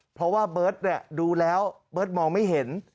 เพราะว่าเบิร์ตดูแล้วเบิร์ตมองไม่เห็น